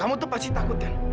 kamu tuh pasti takut kan